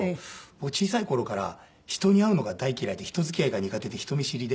僕小さい頃から人に会うのが大嫌いで人付き合いが苦手で人見知りで。